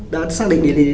đã xác định đi đi đi